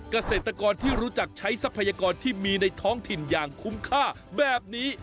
เกษตรกรที่รู้จักใช้ทรัพยากรที่มีในท้องถิ่นอย่างคุ้มค่าแบบนี้